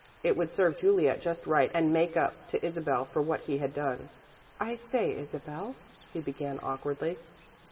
It would serve Juliet just right and make up to Isabel for what he had done. "I say, Isabel," he began awkwardly.